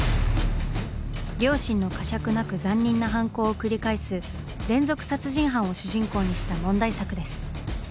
良心の呵責なく残忍な犯行を繰り返す連続殺人犯を主人公にした問題作です。